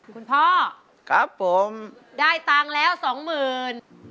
คุณพ่อครับผมได้ตังค์แล้วสองหมื่น